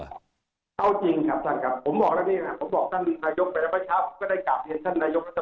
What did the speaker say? เอาจริงครับท่านครับผมบอกแล้วนี่นะผมบอกท่านนายกไปแล้วไม่ช้า